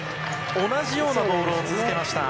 同じようなボールを続けました。